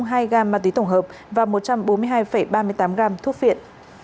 một mươi tám hai gram ma túy tổng hợp và một trăm bốn mươi hai ba mươi tám gram thuốc phiện